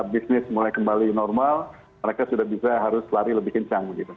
bisnis mulai kembali normal mereka sudah bisa harus lari lebih kencang